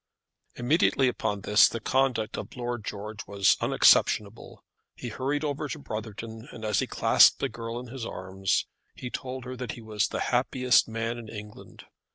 Immediately upon this the conduct of Lord George was unexceptionable. He hurried over to Brotherton, and as he clasped his girl in his arms, he told her that he was the happiest man in England.